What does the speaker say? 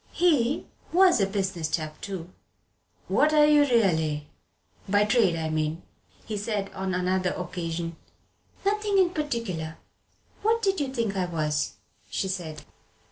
He was a "business chap" too. "What are you really by trade, I mean?" he said on another occasion. "Nothing in particular. What did you think I was?" she said.